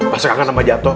masa kangen sama jatoh